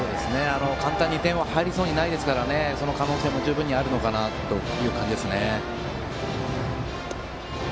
簡単に点が入りそうにないですからその可能性も十分にあるのかなと思います。